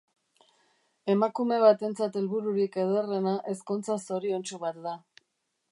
Emakume batentzat helbururik ederrena ezkontza zoriontsu bat da.